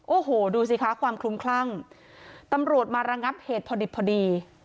โอ้โหดูสิคะความคลุมคลั่งตำรวจมาระงับเหตุพอดิบพอดี